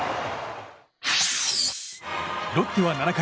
ロッテは７回。